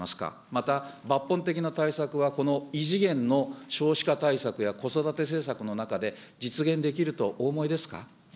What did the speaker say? また、抜本的な対策は、この異次元の少子化対策や、子育て政策の中で実現できるとお思いですか。